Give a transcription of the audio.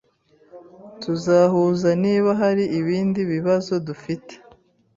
Tuzahuza niba hari ibindi bibazo dufite.